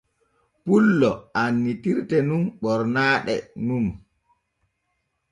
Pullo annitirte nun ɓornaaɗe nun.